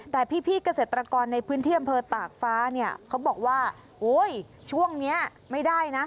แต่พี่เกษตรกรในพื้นที่อำเภอตากฟ้าเนี่ยเขาบอกว่าโอ้ยช่วงนี้ไม่ได้นะ